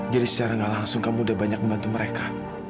jadi secara gak langsung kamu udah banyak membantu mereka